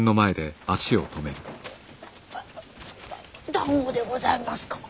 だんごでございますか？